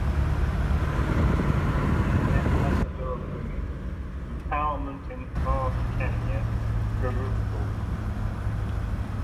Brand Ambassador of Women Empowerment in Arsh Kanya Gurukul.